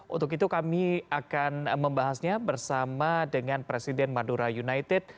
untuk itu kami akan membahasnya bersama dengan presiden madura united